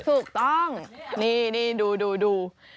ถูกต้องนี่รู้รู้รู้